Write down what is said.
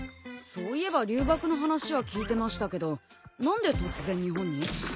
そういえば留学の話は聞いてましたけど何で突然日本に？